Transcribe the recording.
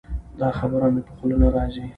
دا خبره مې په خوله نه راځي.